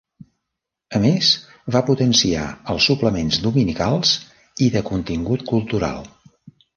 A més va potenciar els suplements dominicals i de contingut cultural.